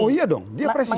oh iya dong dia presiden